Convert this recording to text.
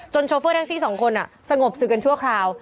จนโชเฟอร์ทักซี่๒คนน่ะสงบสึกกันชั่วคราว